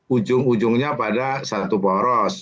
ujung ujungnya pada satu poros